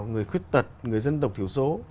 người khuyết tật người dân tộc thiểu số